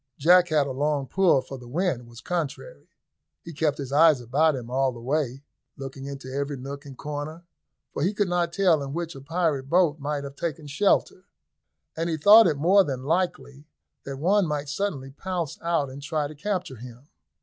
Jack had a long pull, for the wind was contrary. He kept his eyes about him all the way, looking into every nook and corner, for he could not tell in which a pirate boat might have taken shelter, and he thought it more than likely that one might suddenly pounce out and try to capture him.